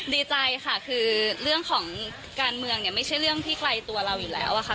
ดีใจค่ะคือเรื่องของการเมืองเนี่ยไม่ใช่เรื่องที่ไกลตัวเราอยู่แล้วอะค่ะ